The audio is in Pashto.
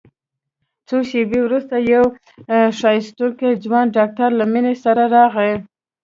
څو شېبې وروسته يو ښايستوکى ځوان ډاکتر له مينې سره راغى.